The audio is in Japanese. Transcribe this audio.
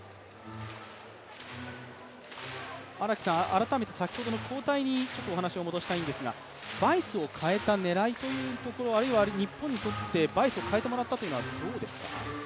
改めて先ほどの交代にお話を戻したいんですがバイスを代えた狙いというところ、あるいは日本にとって、バイスを代えてもらったというのはどうですか。